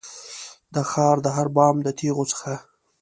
د ښار د هر بام د تېغو څخه